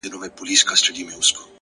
پوه انسان له ماتې نه وېرېږي.